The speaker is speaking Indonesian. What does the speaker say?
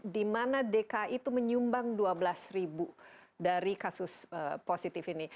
di mana dki itu menyumbang dua belas ribu dari kasus positif ini